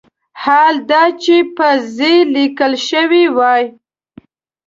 حال دا چې په "ز" لیکل شوی وای.